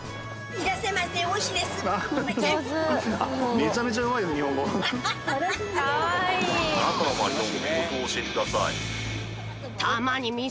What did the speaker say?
めちゃめちゃうまいです日本語。がいるね。